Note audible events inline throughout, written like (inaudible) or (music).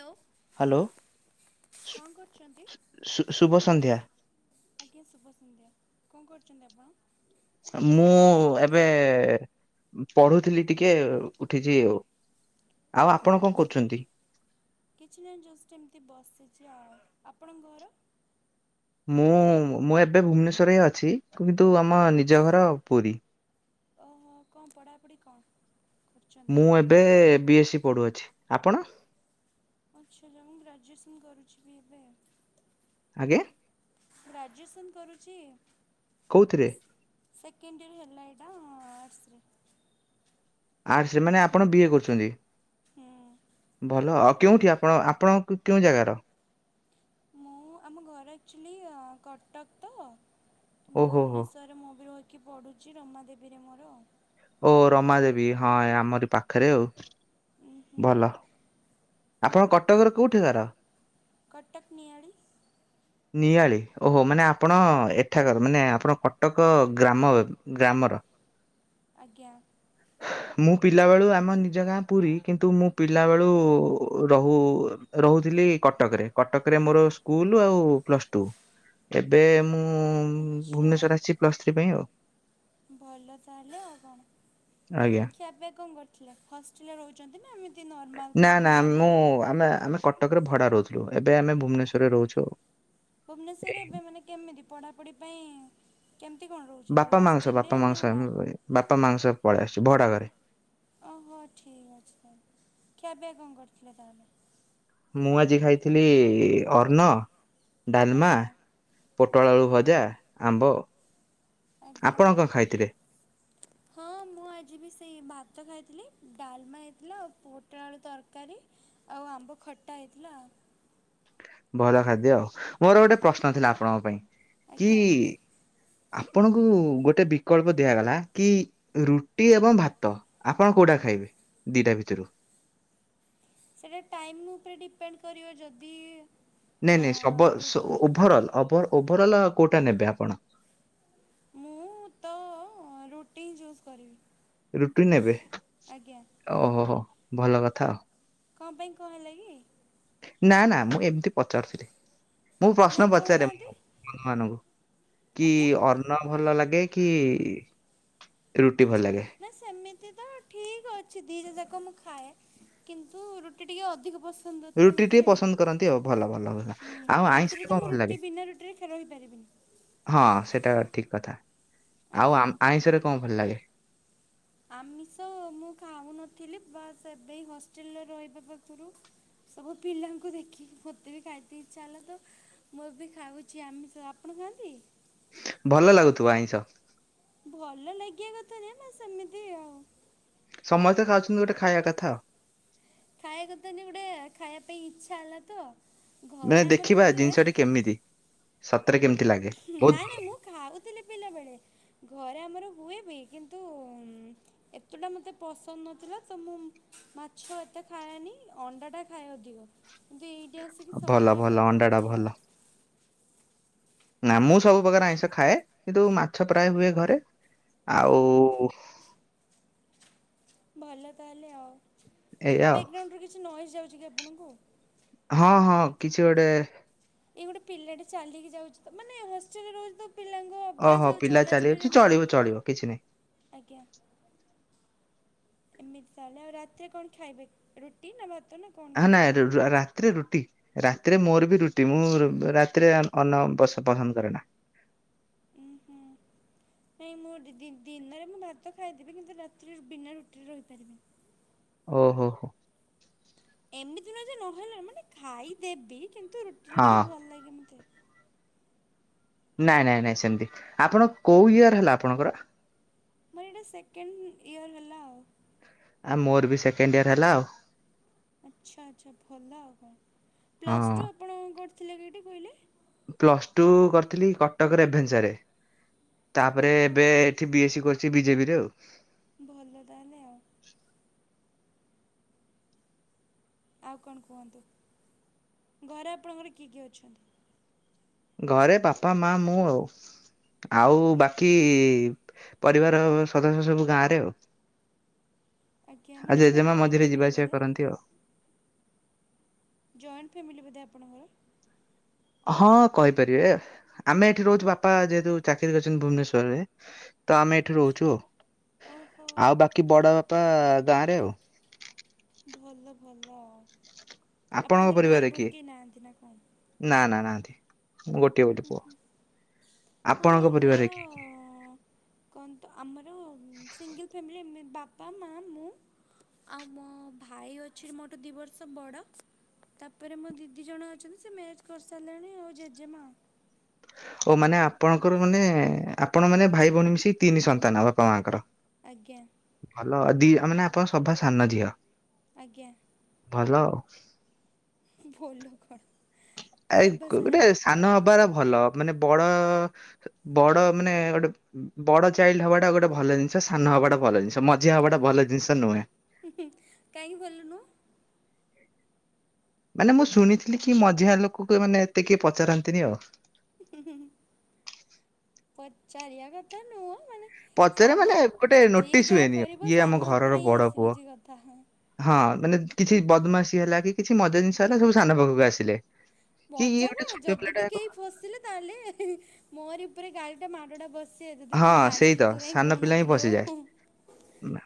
ଟୋ ହ୍ୟାଲୋ। ଶୁ-ଶୁ-ଶୁ-ଶୁଭ ସନ୍ଧ୍ୟା। ଆଜ୍ଞା ଶୁଭ ସନ୍ଧ୍ୟା। କଁ କରୁଚନ୍ତି ଆପଣ? ମୁଁ ଏବେ ପଢୁଥିଲି ଟିକେ ଉଠିଚୀ ଆଉ। ଆଉ ଆପଣ କଁ ଆଚ୍ଛା। କରୁଚନ୍ତି? କିଛି ନାଇଁ ଜଷ୍ଟ୍ ଏମତି ବସିଚି ଆଉ। ଆପଣଙ୍କ ଘର? ମୁଁ ମୁଁ ଏବେ ଭୁବନେଶ୍ଵରରେ ହିଁ ଅଛି। କିନ୍ତୁ ଆମ ନିଜ ଘର ପୁରୀ। ହଁ କଁ ପଢ଼ାପୁଢ଼ି କଁ? ମୁଁ ଏବେ ବି ଏସ୍ ସି ପଢ଼ୁଅଛି, ଆପଣ? ଆଚ୍ଛା ଜଣେ ଗ୍ରାଜୁଏସନ୍ କରୁଛି ବି ଏବେ। ଆଜ୍ଞା? ଗ୍ରାଜୁଏସନ୍ କରୁଚି। କୋଉଥିରେ? ସେକେଣ୍ଡ୍ ଇୟର୍ ହେଲା ଏଇଟା ଆର୍ଟସ୍ ରେ। ଆର୍ଟସ୍ ରେ ମାନେ ଆପଣ ବିଏ କରୁଚନ୍ତି। ହୁଁ। ଭଲ ଆଉ କେଉଁଠି ଆପଣ ଆ ଆପଣଙ୍କୁ କେଉଁ ଜାଗାର? ମୁଁ ଆମ ଘର ଆକ୍ଚୁଲି ଅଁ କଟକ ତ। ଓହୋ ହୋ ଭୁବନେଶ୍ୱରରେ ମୁଁ ବି ରହିକି ପଢ଼ୁଚି ରମା ଦେବୀରେ ମୋର। ଓ ରମା ଦେବୀ ହଁ ଆମରି ପାଖରେ ଆଉ ଉଁ ହୁଁ ଭଲ। ଆପଣ କଟକର କୋଉଠି ଘର? କଟକ ନିଆଳି। ନିଆଳି ଓହୋ ମାନେ ଆପଣ ଏଠାକାର ମାନେ ଆପଣ କଟକ ଗ୍ରାମ ଗ୍ରାମର। ଆଜ୍ଞା। ମୁଁ ପିଲା ବେଳୁ ଆମ ନିଜ ଗାଁ ପୁରୀ କିନ୍ତୁ ମୁଁ ପିଲା ବେଳୁ ରହୁ ରହୁଥିଲି କଟକରେ କଟକରେ ମୋର ସ୍କୁଲ୍ ଆଉ ପ୍ଲସ୍ ଟୁ। ଏବେ ମୁଁ ଆଚ୍ଛା ଭୁବନେଶ୍ୱର ଆସିଛି ପ୍ଲସ୍ ଥ୍ରୀ ପାଇଁ ଆଉ। ଭଲ ତାହେଲେ ଆଉ କଣ। ଆଜ୍ଞା। ଖିଆ ପିଆ କଁ କରିଥିଲେ? ହଷ୍ଟେଲ୍ ରେ ରହୁଛନ୍ତି ନାଁ ଏମିତି ନର୍ମାଲ୍ ନା କେଠି ନା ଭଡ଼ା ମୁଁ ନେଇକି? ଆମେ ଆମେ କଟକରେ ଭଡ଼ା ରହୁଥିଲୁ ଏବେ ଆମେ ଭୁବନେଶ୍ୱରରେ ରହୁଛୁ ଆଉ। ଭୁବନେଶ୍ଵରରେ ଏବେ ମାନେ କେମିତି ପଢ଼ାପଢ଼ି ପାଇଁ କେମିତି କଣ ରହୁଛନ୍ତି? ବାପା ଏବେ ମାଙ୍କ ସହ ହଷ୍ଟେଲ୍ ରେ ବାପା ମାଙ୍କ ନା ସହ ଆମେ ବାହା ବାପା ମାଙ୍କ ସ ପଳେଇ ଆସିଛି ଭଡା ଘରେ। ଓହୋ! ଠିକ୍ ଅଛି ତାହେଲେ, ଖିଆପିଆ କଣ କରିଥିଲେ ତାହେଲେ? ମୁଁ ଆଜି ଖାଇଥିଲି ଅର୍ଣ୍ଣ, ଡାଲମା ଆଜ୍ଞା ପୋଟଳ ଆଳୁ ଭଜା, ଆମ୍ବ। ଆଜ୍ଞା। ଆପଣ କଣ ଖାଇଥିଲେ? ହଁ ମୁଁ ଆଜି ବି ସେଇ ଭାତ ଖାଇଥିଲି, ଡାଲମା ହେଇଥିଲା, ଆଉ ପୋଟଳ ଆଳୁ ତରକାରୀ। ଆଉ ଆମ୍ବ ଖଟା ହେଇଥିଲା। ଭଲ ଖାଦ୍ୟ ଆଉ, ମୋର ଗୋଟେ ପ୍ରଶ୍ନ ଥିଲା ଆପଣଙ୍କ ପାଇଁ? କି ଆଜ୍ଞା। ଆପଣଙ୍କୁ ଗୋଟେ ବିକଳ୍ପ ଦିଆଗଲା କି ରୁଟି ଏବଂ ଭାତ। ଆପଣ କୋଉଟା ଖାଇବେ ଦିଟା ଭିତରୁ? ସେଇଟା ଟାଇମ୍ ଉପରେ ଡିପେଣ୍ଡ କରିବ ଯଦି ନାଇଁ ନାଇଁ ସବ ଦୁପହର ସ-ଓ-ଉଭରଲ୍ ଓଭର ଉଭରଲ କୋଉଟା ନେବେ ଆପଣ? ମୁଁ ତ ରୁଟି ହିଁ ଚୁସ୍ କରିବି। ରୁଟି ନେବେ ଆଜ୍ଞା। ଓହୋ ହୋ ଭଲ କଥା ଆଉ। କଣ ପାଇଁ କଣ କହିଲେ କି? ନା ନା ମୁଁ ଏମତି ପଚାରୁଥିଲି। ମୁଁ ପ୍ରଶ୍ନ ନାଇଁ ପଚାରେ। କହୁନାହାନ୍ତି ମୁଁ ବନ୍ଧୁ ମାନଙ୍କୁ କି ଆଜ୍ଞା। ଅର୍ଣ୍ଣ ଭଲ ଲାଗେ କି ରୁଟି ଭଲ ଆଚ୍ଛା ଲାଗେ? ନା ସେମି ତି ତ ଠିକ ଅଛି, ଦିଟା ଯାକ ମୁଁ ଖାଏ। କିନ୍ତୁ ରୁଟି ଟିକେ ଅଧିକ ପସ ନ୍ଦତେ ରୁଟି ଟିକେ ମୋତେ। ପସନ୍ଦ କରନ୍ତି ଆଉ ଭଲ ଭଲ ଭଲ। ହୁଁ, ଆଉ ଆଇଁଷରେ ରାତିରେ ତ କଣ ମୁଁ ଭଲ ଲାଗେ? ରୁଟି, ବିନା ରୁଟିରେ ଖେ ରପାରିବିନି। ହଁ ସେଟା ଠିକ କଥା। ଆଉ ଆଜ୍ଞା। ଆମ୍ ଆଇଁଷରେ କଣ ଭଲ ଲାଗେ? ଆମିଷ ମୁଁ ଖାଉନଥିଲି। ବାସ୍ ଏବେ ଏଇ ହଷ୍ଟେଲ୍ ରେ ରହିବା ପାଖରୁ ସବୁ ପିଲାଙ୍କୁ ଦେଖିକି ମୋତେ ବି ଖାଇତେ ଇଚ୍ଛା ହେଲା ତ ମୁଁ ବି ଖାଉଛି ଆମିଷ। ଆପଣ ଖାଆନ୍ତି? ଭଲ ଲାଗୁଥିବ ଆଇଁଷ? ଭଲ ଲାଗିବା କଥା ନୁହେ ବାସ୍ ସେମିତି ଆଉ। ସମସ୍ତେ ଖାଉଛନ୍ତି ଗୋଟେ ଖାଇବା କଥା। ଖାଇଆକୁ ତ ଏମତି ଗୋଟେ ଖାଇବା ପାଇଁ ଇଚ୍ଛା ହେଲା ତ। ଘରେ ମାନେ ଆମର ଦେଖିବା ହୁଏ ଜିନିଷଟି କେମିତି? ସତରେ କେମିତି ଲାଗେ? ବହୁତ ଭଲ। ଖାଉଥିଲେ ପିଲାବେେଳେ, ଘରେ ଆମର ହୁଏ ବି। କିନ୍ତୁ ଉଁ, ଏତେଟା ମୋତେ ପସନ୍ଦ ନଥିଲା। ତ ମୁଁ ମାଛ ଏତେ ଖାଏନି। ଅଣ୍ଡାଟା ଖାଏ ଅଧିକ। କିନ୍ତୁ ଏଇଠି ଆସିକି ଭଲ ସବୁ ଟାଇପ୍ ଭଲ ର ଅଣ୍ଡା ଟା ଖାଉଛି ଭଲ। ଆଉ। ନା ମୁଁ ସବୁ ପ୍ରକାର ଆଇଁଷ ଖାଏ। କିନ୍ତୁ ମାଛ ପ୍ରାୟ ହୁଏ ଘରେ। ଉଁ ଆଉ ହୁଁ ଭଲ ତାହେଲେ ଆଉ। ଏଇଆ ଆଉ। ବ୍ୟାଗ୍ ଗ୍ରାଉଣ୍ଡରୁ କିଛି ନଏଜ୍ ଯାଉଛି କି ଆପଣଙ୍କୁ? ହଁ, ହଁ କିଛି ଗୋଟେ ଏଇ ଗୋଟେ ପିଲାଟେ ଚାଲିକି ଯାଉଛି ତ, ମାନେ ହଷ୍ଟେଲ୍ ରେ ରହୁଛି ତ ପିଲାଙ୍କ ଆବାଜ ଓହୋ! ଆଉ ପିଲା ଚାଲି ଚଲାଚଲିରେ ଅଛି, ଏମିତି ଚଳିବ ଚଳିବ କିଛି ନାହିଁ। ଆଜ୍ଞା। ଏମିତି ତାହେଲେ, ଆଉ ରାତିରେ କଣ ଖାଇବେ? ରୁଟି ନା ଭାତ ନା କଣ ହା କେମିତି? ନାଇ ରୁ-ର-ରା ତିରେ ରୁଟି, ରାତିରେ ମୋର ବି ରୁଟି ମୁଁ ରୁ-ରାତିରେ ଅ, ଅନ୍ନ ପ-ପସନ୍ଦ କରେ ନା। ଉଁ ହୁଁ। ନାଇଁ ମୁଁ ଡି-ଦି- ଦିନରେ ମୁଁ ଭାତ ଖାଇଦେବି। କିନ୍ତୁ ରାତିରେ ବିନା ରୁଟିରେ ରହିପାରିବିନି। ଓହୋ! ହୋ। ଏମିତି ନୁହଁ ଯେ ନହେଲେ ମାନେ ଖାଇଦେବି କିନ୍ତୁ ରୁଟି ଟା ହଁ ଟିକେ ଭଲ ଲାଗେ ମୋତେ। ନାଇ, ନାଇ, ନାଇ ସେମତି, ଆପଣ କୋଉ ଇୟର୍ ହେଲା ଆପଣଙ୍କର? ମୋର ଏଇଟା ସେକେଣ୍ଡ ଇୟର୍ ହେଲା ଆଉ। ଆ, ମୋର ବି ସେକେଣ୍ଡ ଇୟର୍ ହେଲା ଆଉ। ଆଛା ଆଛା, ଭଲ ଆଉ କଣ ପ୍ଲସ୍ ହଁ ଟୁ ଆପଣ କଣ ଥିଲେ କେଇଠି କହିଲେ? ପ୍ଲସ ଟୁ କରିଥିଲି କଟକ ରେଭେ। ତାପରେ ଓହୋ। ଏବେ ଏଠି ବି ଏସ୍ ସ କରି। ବିଜେପ ରେ ଆଉ ଭଲ ତାହେଲେ ଆଉ। ଆଉ କଣ କୁହନ୍ତୁ? ଘରେ ବାପା ମା ମୁଁ ଆଉ। ଆଉ ବାକି ପରିବାର ସଦସ୍ୟ ସବୁ ଗାଁ ରେ ଆଉ। ଆଜ୍ଞା ଆ ମାନେ ଆପଣ ଜେଜେମା ଜଏଣ୍ଟ ମଝିରେ ଫ୍ୟାମିଲି ଯିବା ଆସିବା ବୋଧେ କରନ୍ତି ଆଉ। ଜଏଣ୍ଟ ଫ୍ୟାମିଲି ବୋଧେ ଆପଣଙ୍କର? ହଁ କହିପାରିବେ, ଆମେ ଏଠି ରହୁଛୁ ବାପା ଯେହେତୁ ଚାକିରି କରିଛନ୍ତି ଭୁବନେଶ୍ୱରରେ। ତ ଆମେ ଏଇଠି ରହୁଛୁ ଉ, ଓହୋ ଆ ଆଉ ବାକି ବଡ ବାପା ଗାଁରେ ଆଉ। ଭଲ ଭଲ ଆ, ଆପଣଙ୍କ ଆପଣଙ୍କର ଭାଇ ପରିବାରରେ କିଏ ଭଉଣୀ କେହି ନାହାନ୍ତି ନା କଣ? ନା ନା ନାହାନ୍ତି, ମୁଁ ଗୋଟିଏ ବୋଲି ପୁଅ। ହଁ ଆପଣଙ୍କ ପରିବାରରେ କିଏ କିଏ? କଣତ, ଆମର ସିଙ୍ଗଲ ଫ୍ୟାମିଲି ବାପା ମା ମୁଁ। ଆଉ ମୋ ଭାଇ ଅଛି ମୋଠୁ ଦିଇ ବର୍ଷ ବଡ଼। ତାପରେ ମୋ ଦିଦି ଜଣ ଅଛନ୍ତି, ସେ ମ୍ୟାରେଜ କରିସାରିଲେଣି, ଆଉ ଜେଜେମା। ଓ ମାନେ ଆପଣଙ୍କର ମାନେ ଆପଣ ମାନେ ଭାଇ ଭଉଣୀ ମିଶିକି ତିନି ସନ୍ତାନ ଆଉ ବାପା ମାଙ୍କର। ଆଜ୍ଞା। ଭଲ ଦି ମାନେ ଆପଣ ସଭା ସାନ ଝିଅ। ଆଜ୍ଞା। ଭଲ ଆଉ। ଭୋଲ କଣ? ଆ ଗୋଟେ ସାନ ହବାର ଭଲ, ମାନେ ବଡ ବଡ ମାନେ ଗୋଟେ ବଡ ଚାଇଲ୍ଡ ହବାଟା ଗୋଟେ ଭଲ ଜିନିଷ, ସାନ ହବା ଟା ଭଲ ଜିନିଷ, ମଝିଆ ହବାଟା ଭଲ ଜିନିଷ ନୁହେଁ। କାଇଁ ଭଲ ନୁ? ମାନେ ମୁଁ ଶୁଣିଥିଲି କି ମଝିଆ ଲୋକକୁ ମାନେ ଏତେ କିଏ ପଚାରନ୍ତିନି ଆଉ। ପଚାରିବା କଥା ନୁହଁ ମାନେ ପଚାରେ ମାନେ ସାନ, ଗୋଟେ ଯିଏ ନୋଟିସ ଯାହା ହୁଏନି ଆଉ। କରିବ ଇଏ ଆମ ସାନ ଘରର ଉପରେ ହିଁ ବଡ ପୁଅ। ଆସିଯାଉଛି କଥା। ହଁ ମାନେ କିଛି ବଦମାସି ହେଲା କି କିଛି ମଜା ଜିନିଷ ହେଲା ସବୁ ସାନ ପାଖକୁ ଆସିଲେ। କି ଇଏ ମଜା ଗୋଟେ କଣ? ଛୋଟ ଯଦି ପିଲାଟା ବି କ କେହି ଫସିଲେ ତାହେଲେ ମୋରି ଉପରେ ଗାଳିଟା ମାଡ଼ଟା ବସ ସେ ଦିଦି ତୁ ହଁ ସେଇ ତ ଜାଣିଥିଲୁ ତୁ କାଇ ସାନ ପିଲା ହିଁ କହୁନଥିଲୁ ପଶିଯାଏ।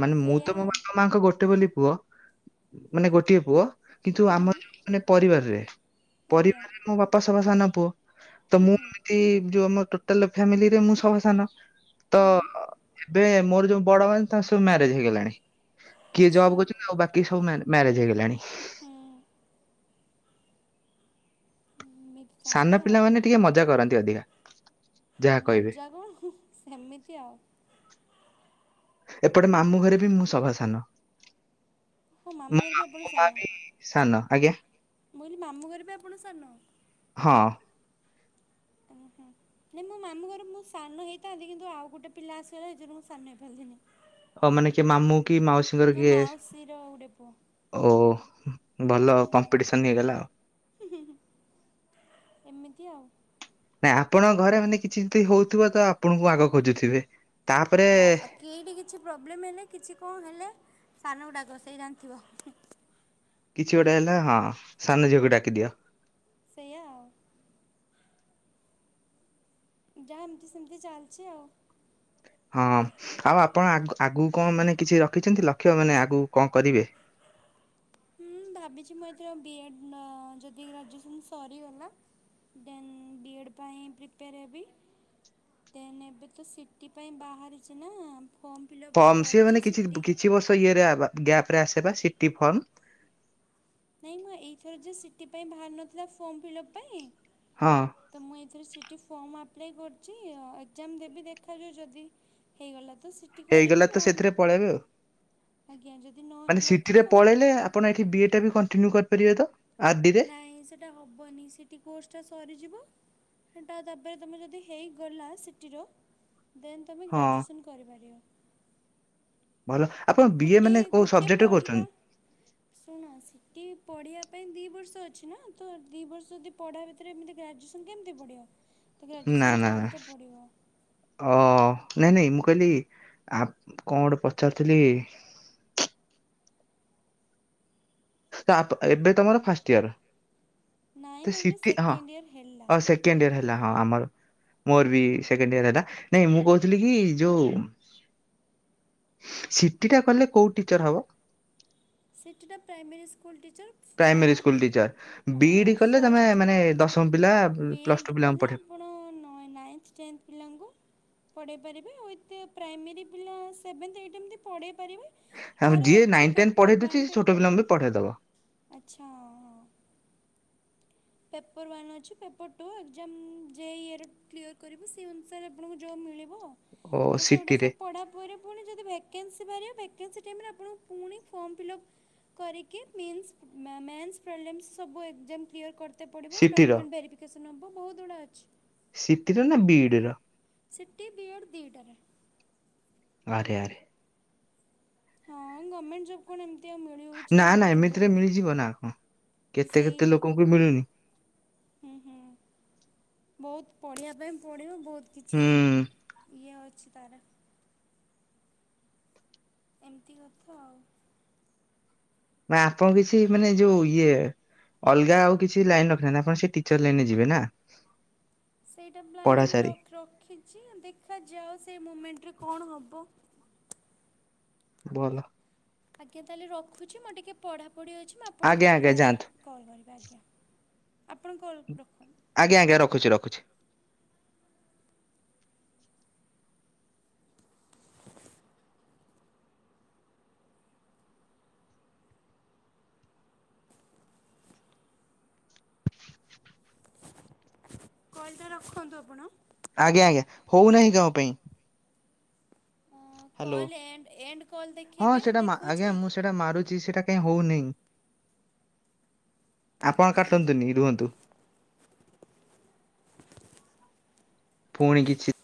ମାନେ ମୁଁ ତ ସେଇୟା ମୋ ବାପା ମାଙ୍କ ଗୋଟେ ବୋଲି ପୁଅ, ମାନେ ଗୋଟିଏ ପୁଅ। କିନ୍ତୁ ଆମର ହୁଁ ଯୋଉ ମାନେ ପରିବାରରେ, ଆଜ୍ଞା ପରିବାରରେ ମୋ ବାପା ସଭା ସାନ ପୁଅ। ତ ହୁଁ ମୁଁ ହୁଁ ଏମତି ଯୋଉ ଆମ ଟୋଟାଲ ଫ୍ୟାମିଲିରେ ମୁଁ ସଭା ସାନ। ତ ହୁଁ ଏବେ ମୋର ଯୋଉ ବଡ ଭାଇ ତାଙ୍କ ସବୁ ମ୍ୟାରେଜ ହେଇଗଲାଣି। କିଏ ଆଚ୍ଛା ଜବ୍ କରୁଛନ୍ତି ଆଉ ବାକି ସବୁ ମ୍ୟାରେଜ ହେଇଗଲାଣି। ହୁଁ ଉ ଏମିତି। ସାନ ତାହେଲେ ଆଉ ପିଲାମାନେ ଟିକେ ମଜା କରନ୍ତି ଅଧିକା। ଯାହା କହିବେ ମଜା ହୋଉ, ସେମିତି ଆଉ। ଏପଟେ ମାମୁଁ ଘରେ ବି ମୁଁ ସଭା ସାନ, ହଁ ମାମୁଁ ମୋ ଘରେ ବି ଆପଣ ମ ମା ସାନ ବି ସାନ ଆଜ୍ଞା। ମୁଁ କହିଲି ମାମୁଁ ଘରେ ବି ଆପଣ ସାନ? ହଁ ଅ। ଉଁ ହୁଁ। ନାଇଁ ମୋ ମାମୁ ଘରେ ମୁଁ ସାନ ହେଇଥାନ୍ତି, କିନ୍ତୁ ଆଉ ଗୋଟେ ପିଲା ଆସଗଲା ଏଥିରୁ ମୁଁ ସାନ ହେଇପାରିଲିନି। ଆଉ ମାନେ କିଏ ମାମୁଁ କି ମାଉସୀଙ୍କର ନା କିଏ? ମାଉସୀର ଗୋଟେ ପୁଅ ଓ ଭଲ ହୁଁ କମ୍ପିଟିସନ ହେଇଗଲା ଆଉ। ଏମିତି ଆଉ। ନାଇଁ ଆପଣଙ୍କ ଘରେ ମାନେ କିଛି ଯମତି ହ--ଉଥିବ ତ ଆପଣଙ୍କୁ ଆଗ ଖୋଜୁଥିବେ, ତାପରେ କେହି ବି କିଛି ପ୍ରୋବେଲଏମ୍ ହେଲେ କିଛି କଣ ହେଲେ ସାନ କୁ ଡାକିବ ସେଇ ଜାଣିଥିବ। କିଛି ଗୋଟେ ହେଲା ହଁ ସାନଝିଅକୁ ଡାକିଦିଅ ସେୟା ଆଉ ଯାହା ଏମିତି ସେମିତି ଚାଲିଛି ଆଉ। ହଁ ଆଉ ଆପଣ ଆଗ ଆଗକୁ କଣ ମାନେ କିଛି ରଖିଛନ୍ତି ଲକ୍ଷ୍ୟ ମାନେ ଆଗକୁ କଣ କରିବେ? (inaudible) ହୁଁ ଭାବିଛି ମୁଁ ଏଥିରେ ବିଏଡ଼୍ ଅ ଯଦି ଗ୍ରାଜୁଏସନ୍ ସରିଗଲା ଦେନ୍ ବିଏଡ଼୍ ପାଇଁ ପ୍ରିପେୟାର୍ ହେବି। ଦେନ୍ ଏବେ ତ ସିଟି ପାଇଁ ବାହାରିଛି ନା ଫର୍ମ ଫିଲ୍ଅପ ମୁଁ ଫର୍ମ ସିଏ ମାନେ କରିଛି କିଛି ସିଟି କିଛି ବର୍ଷ ଇଏରେ ଆ ଗ୍ୟାଫ୍ ରେ ଆସେବା ସିଟି ଫର୍ମ ନାଇଁ ମୁଁ ଏଇଥର ଯେଉ ସିଟି ପାଇଁ ବାହାରୁ ନଥିଲା ଫର୍ମ ଫିଲ୍ଅପ୍ ପାଇଁ ହଁ ତ ମୁଁ ଏଇଥିରେ ସିଟି ଫର୍ମ ଆପ୍ଲାଏ କରିଛି ଅ ଏକ୍ଜାମ ଦେବି ଦେଖାଯାଉ ଯଦି ହେଇଗଲା ତ ସିଟି ହେଇଗଲା କରିବି ତ ନହେଲେ ସେଥିରେ ପଳେଇବେ ଆଉ। ଆଜ୍ଞା ଯଦି ମାନେ ନହେଲା ତ ସିଟିରେ ତାହେଲେ ପଳେଇଲେ ଆପଣ ଏଇଠି ବିଏଟା ବି କଣ୍ଟିନ୍ୟୁ କରିପାରିବେ ତ? ଆର ଡି ରେ? ନାଇଁ ସେଟା ହବନି ସିଟି କୋର୍ସ ଟା ସରିଯିବ ହେଟା ତାପରେ ତମେ ଯଦି ହେଇଗଲା ସିଟିର ଦେନ୍ ତମେ ହଁ ଗ୍ରାଜୁଏସନ୍ କରିପାରିବ। ଭଲ ଆପଣ ବିଏ କୁଟି ମାନେ କୋଉ ଗୋଟେ ସବଜେକ୍ଟରେ ପଢିବା। କରୁଛନ୍ତି? ଶୁଣ ସିଟି ପଢିବା ପାଇଁ ଦି ଦୁ ବର୍ଷ ଅଛି ନା ତ ଦି ବର୍ଷ ଯଦି ପଢ଼ା ଭିତରେ ଏମିତି ଗ୍ରାଜୁଏସନ୍ କେମିତି ପଢିବ? ନା ନା ନା ଓ ନାଇଁ ନାଇଁ ମୁଁ କହିଲି ଆପ କଣ ଗୋଟେ ପଚାରୁଥିଲି ତ (unintelligible) ଆପ ଏବେ ତମର ଫାଷ୍ଟ ଇୟର। ନାଇଁମ ଏଇଟା ସେକେଣ୍ଡ ଇୟର ହେଲା। ସେକେଣ୍ଡଇୟର ହେଲା ହଁ ଆମର। ମୋର ବି ସେକେଣ୍ଡ ଇୟର ହେଲା ନାଇଁ ମୁଁ କହୁଥିଲି କି ଯୋଉ ସିଟିଟା କଲେ କୋଉ ଟିଚର ହବ? ସିଟିଟା primary school teacher. Primary school teacher BEd କଲେ ତମେ ଫାଷ୍ଟରୁ ମାନେ ଦଶମ ପିଲା ବି ଏଡ଼୍ ପ୍ଲସଟୁ ପିଲାଙ୍କୁ କଲେ ପଢେଇ ଆପଣ ନଏ ନାଇନ୍ଥ ଟେନ୍ଥ ପିଲାଙ୍କୁ ପଢେଇ ପାରିବେ ଆଉ ଏତେ ପ୍ରାଇମେରୀ ପିଲା ସେଭେନ୍ଥ ଏଇଟ୍ ଏମିତି ପଢେଇ ପାରିବେ। ଆଉ ତାର ଯିଏ ଅଛି ନାଇନ ଟେନ ପେପର୍ ପଢେଇ ଦେଉଛି ୱାନ୍ ସେ ଛୋଟ ପେପର୍ ପିଲାଙ୍କୁ ଟୁ ବି ପଢେଇଦବ। ଆଚ୍ଛା ହଁ ହଁ ପେପର୍ ୱାନ୍ ଅଛି ପେପର୍ ଟୁ ଏକ୍ସାଆମ୍ ଯେ ଇଏର କ୍ଲିୟର କରିବୁ ସେହି ଅନୁସାରେ ଆପଣଙ୍କୁ ଜବ୍ ମିଳିବ ଓ ତ ସେଉଡା ସିଟିରେ ସଵ୍ ପଢ଼ା ପରେ ପୁଣି ଯଦି ଭ୍ୟାକେଏନ୍ସି ବାହାରିବ ଭ୍ୟାକେଏନ୍ସି ଟିମ୍ ରେ ଆପଣଙ୍କୁ ପୁଣି ଫର୍ମଫିଲପ୍ କରିକି ମିନସ ମେ-ମେନ୍ସ ପ୍ରୋବ୍ଲେମ୍ ସବୁ ଏକଜମ୍ କ୍ଲିୟର କ ରିତେ ପଡ଼ିବ ସିଟିର ଡକମେଣ୍ଟ ଭେରିଫିକେସନ୍ ହେବ ବହୁତ ଗୁଡ଼ା ଅଛି। ସିଟିରେ ନା ବିଡିର? ସିଟି ବିଏଡ ଦିଟାରେ ଆରେ ଆରେ ହଁ ଗମେଣ୍ଟ ଜବ କଣ ଏମତି ଆଉ ମିଳିବ ବି ନା ନା ଏମିତିରେ ମିଳିଯିବ ନା କଣ କେତେ ସେଇ କେତେ ଲୋକଙ୍କୁ ମିଳୁନି। ହୁଁ ହୁଁ ବହୁତ ପଢ଼ିବା ପାଇଁ ପଡ଼ିବ ବହୁତ କିଛି ହୁଁ ଇଏ ଅଛି ତାରା ଏମିତି କଥା ଆଉ ମା ଆପଣ କିଛି ମାନେ ଯୋଉ ଇଏ ଅଲଗା ଆଉ କିଛି ଲାଇନ ରଖିନାହାନ୍ତି ଆପଣ ସେ ଟିଚର ଲାଇନେ ଯିବେ ନା। ସେଇଟା ପଢା ପ୍ଲାନିଂ ସାରି ଲଖ ରଖିଛି ଦେଖାଯାଉ ସେ ମୁମେଣ୍ଟରେ କଣ ହବ। କୁହନ୍ତୁ। ଆଜ୍ଞା ତାହେଲେ ରଖୁଛି ମୋର ଟିକେ ପଢାପଢି ଅଛି ମୁଁ ଆପଣଙ୍କୁ ଆଜ୍ଞା ଆଜ୍ଞା ପରେ ଯାଆନ୍ତୁ କଲ୍ କରିବେ ଆଜ୍ଞା ଆପଣ କଲ୍ ରଖନ୍ତୁ। ଆଜ୍ଞ ଆଜ୍ଞା ରଖୁଛି ରଖୁଛି। କଲ୍ ଟା ରଖନ୍ତୁ ଆପଣ। ଆଜ୍ଞା ଆଜ୍ଞା ହଉନାହିଁ କଣ ପାଇଁ? Hello call end end call ଦେଖିବେ ଦେଖଉଛି? ସେଟା ମାରୁଛି ସେଇଟା କାଇଁ ହଉନିଁ। ଆପଣ କାଟନ୍ତୁନି ରୁହନ୍ତୁ। ଫୁଣି କିିଛି